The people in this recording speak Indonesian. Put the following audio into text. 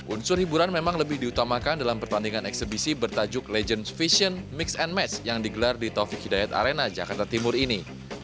unsur hiburan memang lebih diutamakan dalam pertandingan eksebisi bertajuk legends vision mix and match yang digelar di taufik hidayat arena jakarta timur ini